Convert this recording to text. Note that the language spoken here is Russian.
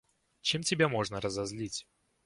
Чем тебя можно разозлить?